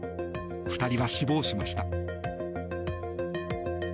２人は死亡しました。